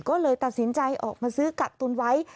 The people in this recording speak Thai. ก็เลยตัดสินใจออกมาซื้อกักตุนไว้